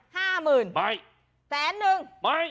ห้ามื่นไม่แสนนึงไม่